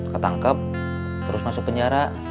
ketangkep terus masuk penjara